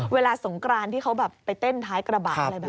สงกรานที่เขาแบบไปเต้นท้ายกระบะอะไรแบบนี้